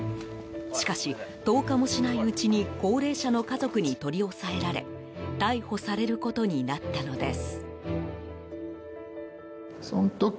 しかし、１０日もしないうちに高齢者の家族に取り押さえられ逮捕されることになったのです。